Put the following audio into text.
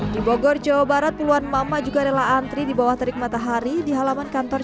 di bogor jawa barat puluhan mama juga rela antri di bawah terik matahari di halaman kantor